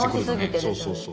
そうそうそう。